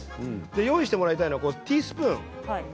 用意してほしいのがティースプーン。